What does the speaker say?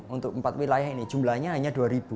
untuk empat wilayah ini jumlahnya hanya dua